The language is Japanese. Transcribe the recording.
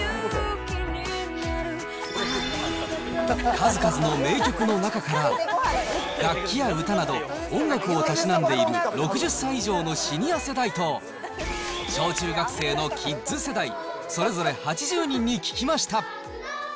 数々の名曲の中から、楽器や歌など、音楽をたしなんでいる６０歳以上のシニア世代と、小中学生のキッズ世代、それぞれ８０人に聞きました。